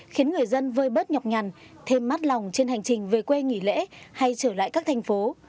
khiến người dân vơi bớt nhọc nhằn thêm mát lòng trên hành trình về quê nghỉ lễ hay trở lại các thành phố